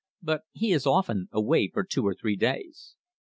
"But he is often away for two or three days."